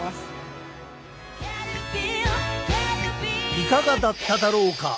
いかがだっただろうか？